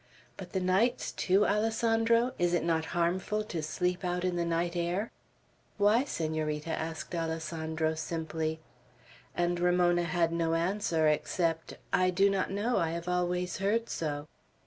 But the nights too, Alessandro? Is it not harmful to sleep out in the night air?" "Why, Senorita?" asked Alessandro, simply. And Ramona had no answer, except, "I do not know; I have always heard so."